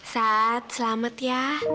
saat selamat ya